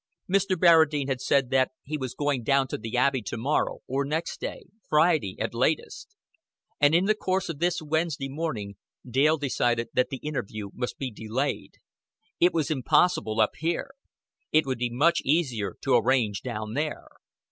Mr. Barradine had said that he was going down to the Abbey to morrow, or next day, Friday, at latest; and in the course of this Wednesday morning Dale decided that the interview must be delayed. It was impossible up here. It would be much easier to arrange down there.